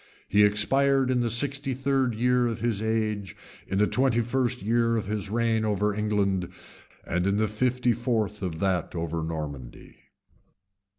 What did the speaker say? He expired in the sixty third year of his age, in the twenty first year of his reign over England, and in the fifty fourth of that over Normandy.